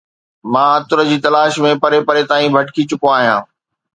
مان عطر جي تلاش ۾ پري پري تائين ڀٽڪي چڪو آهيان